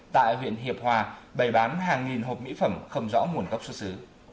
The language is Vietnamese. tại huyện hiệp hòa bày bán hàng nghìn hộp mỹ phẩm không rõ nguồn gốc xuất xứ